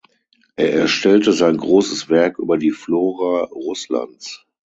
Er erstellte sein großes Werk über die Flora Russlands.